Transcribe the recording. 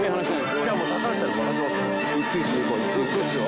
じゃあもう高橋さんに任せますよどっちを？